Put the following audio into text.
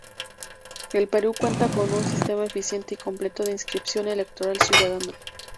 El Perú cuenta con un sistema eficiente y completo de inscripción electoral ciudadana.